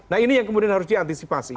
nah ini yang kemudian harus diantisipasi